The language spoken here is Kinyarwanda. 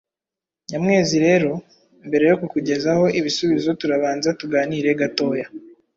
Nyamwezi rero, mbere yo kukugezaho ibisubizo turabanza tuganire gatoya.